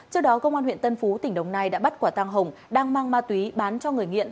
trước đó công an huyện tân phú tỉnh đồng nai đã bắt quả tăng hồng đang mang ma túy bán cho người nghiện